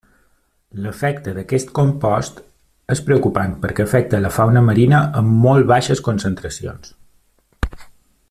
L'efecte d'aquest compost és preocupant perquè afecta la fauna marina a molt baixes concentracions.